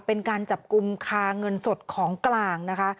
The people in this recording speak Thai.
เป็นการจับกลุ่มคาเงินสดของกลางนะคะ